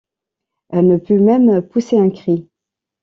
Elle ne put même pousser un cri.